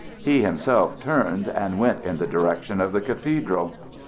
He himself turned and went in the direction of the cathedral.